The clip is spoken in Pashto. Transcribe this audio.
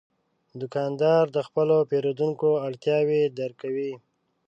دوکاندار د خپلو پیرودونکو اړتیاوې درک کوي.